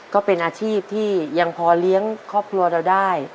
ก็เป็นอาชีพที่ยังพอเลี้ยงครอบครัวเราได้